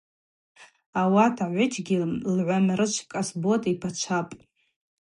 Ауат агӏвыджьгьи Лгӏвамрычв Къасбот йпачвапӏ.